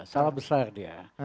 salah besar dia